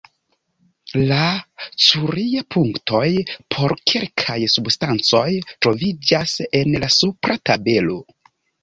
La Curie-punktoj por kelkaj substancoj troviĝas en la supra tabelo.